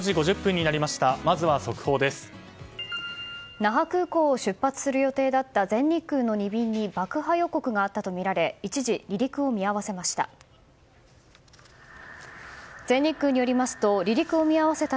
那覇空港を出発する予定だった全日空の２便に爆破予告があったとみられ一時、離陸を見合わせました。